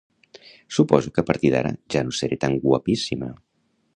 Suposo que a partir d'ara ja no seré tan guapíssima